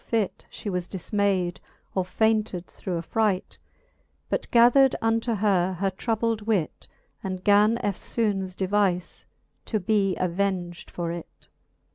fit, She was difmayd, or faynted through affright. But gathered unto her her troubled wit, And gan eftlbones devize to be aveng'd for it.